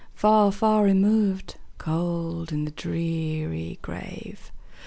Far, far removed, cold in the dreary grave!